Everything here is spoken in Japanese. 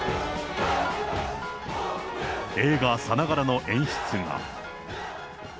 映画さながらの演出が。